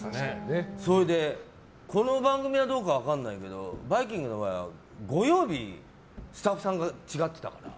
それで、この番組はどうか分からないけど「バイキング」の場合は５曜日スタッフさんが違ってた。